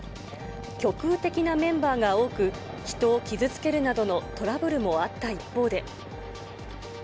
極右的なメンバーが多く、人を傷つけるなどのトラブルもあった一方で。